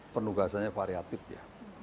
penugasannya variatif ya